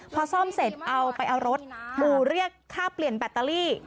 พอซ่อมเสร็จเอาไปเอารถหมู่เรียกค่าเปลี่ยนแบตเตอรี่